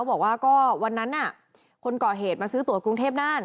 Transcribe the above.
บอกว่าก็วันนั้นคนก่อเหตุมาซื้อตัวกรุงเทพน่าน